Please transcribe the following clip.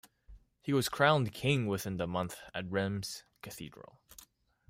He was crowned king within the month at Reims cathedral.